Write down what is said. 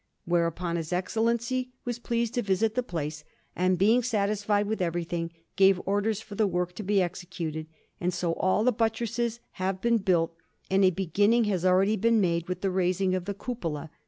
Whereupon his Excellency was pleased to visit the place, and, being satisfied with everything, gave orders for the work to be executed; and so all the buttresses have been built, and a beginning has already been made with the raising of the cupola.